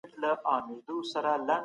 دا مرحله د تخيل پر بنسټ ولاړه ده.